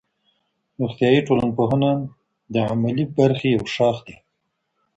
روغتیایی ټولنپوهنه د عملي برخې یو شاخ دی.